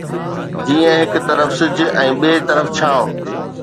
جيئن هڪ طرف سج ۽ ٻئي طرف ڇانو